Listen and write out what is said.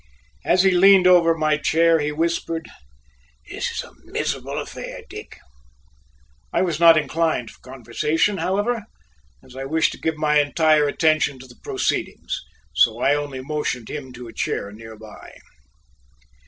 As he leaned over my chair, he whispered: "This is a miserable affair, Dick!" I was not inclined for conversation, however, as I wished to give my entire attention to the proceedings, so I only motioned him to a chair nearby.